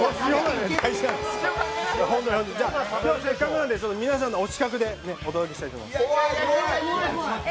じゃ、今日、せっかくなんで皆さんのお近くでお届けしたいと思います。